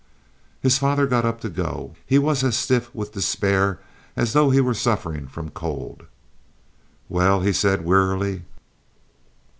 His father got up to go. He was as stiff with despair as though he were suffering from cold. "Well," he said, wearily.